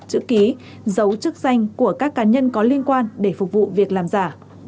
chữ ký giấu chức danh của các cá nhân có liên quan để phục vụ việc làm giả